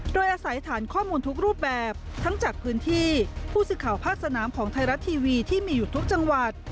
โดยอาศัยฐานข้อมูลทุกรูปแบบทั้งจากพื้นที่ผู้สื่อข่าวภาคสนามของไทยรัฐทีวีที่มีอยู่ทุกจังหวัด